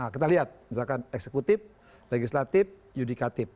kita lihat misalkan eksekutif legislatif yudikatif